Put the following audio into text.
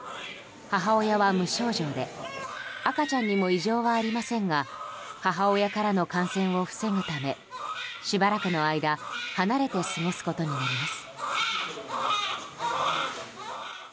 母親は無症状で赤ちゃんにも異常はありませんが母親からの感染を防ぐためしばらくの間離れて過ごすことになります。